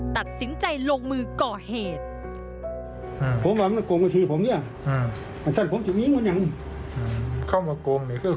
ตัดสินใจลงมือก่อเหตุ